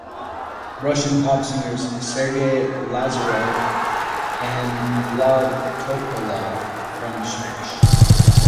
Russian pop singers Sergey Lazarev and Vlad Topalov from Smash!!